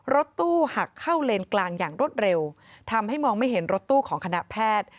รถตู้หักเข้าเลนกลางอย่างรวดเร็วทำให้มองไม่เห็นรถตู้ของคณะแพทย์